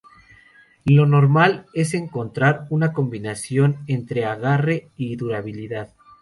Lo normal es encontrar una combinación entre agarre y durabilidad.